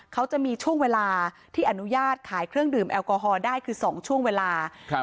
เขาจะมีช่วงเวลาที่อนุญาตขายเครื่องดื่มแอลกอฮอลได้คือสองช่วงเวลาครับ